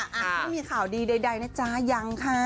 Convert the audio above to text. ไม่มีข่าวดีใดนะจ๊ะยังค่ะ